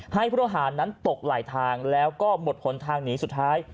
ผู้ต้องหานั้นตกไหลทางแล้วก็หมดหนทางหนีสุดท้าย